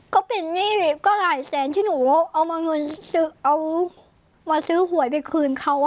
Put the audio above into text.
ก็เป็นหนี้ก็หลายแสนที่หนูเอามาเงินเอามาซื้อหวยไปคืนเขา